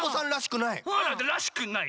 「らしくない」。